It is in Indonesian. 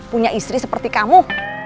punya istri seperti kamu